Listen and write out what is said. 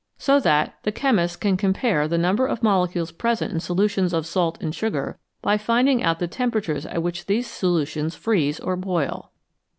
So that the chemist can compare the number of molecules present in solutions of salt and sugar by finding out the temperatures at which these solutions freeze or boil.